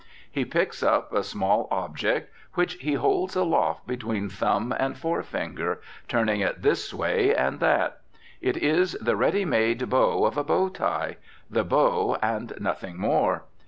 He picks up a small object which he holds aloft between thumb and forefinger, turning it this way and that. It is the ready made bow of a bow tie, the bow and nothing more.